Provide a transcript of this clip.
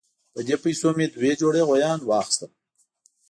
په دې پیسو مې دوه جوړه غویان واخیستل.